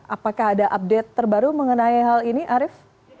apakah ada update terbaru mengenai hal ini arief